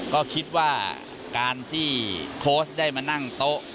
ก็คิดว่าการที่โค้ชได้มานั่งโต๊ะ